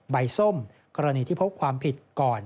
ส้มกรณีที่พบความผิดก่อน